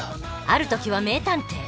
ある時は名探偵。